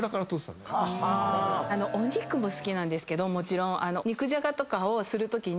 お肉も好きなんですけどもちろん。